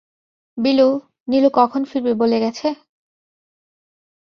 বিলু, নীলু কখন ফিরবে-বলে গেছে?